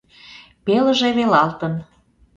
Пелыже велалтын.